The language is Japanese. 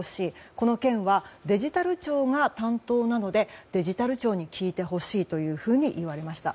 この件はデジタル庁が担当なのでデジタル庁に聞いてほしいというふうに言われました。